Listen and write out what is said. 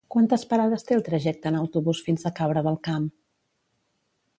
Quantes parades té el trajecte en autobús fins a Cabra del Camp?